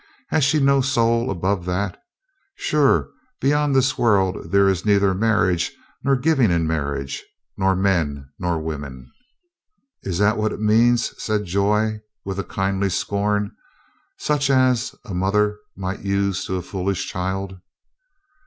"Has she no soul above that? Sure, beyond this world there is neither marriage nor giving in mar riage, nor men nor women." "Is that what it means?" said Joy with a kindly scorn, such as a mother might use to a foolish child.